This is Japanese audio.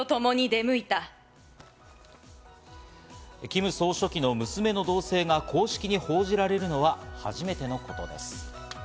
キム総書記の娘の動静が公式に報じられるのは初めてのことです。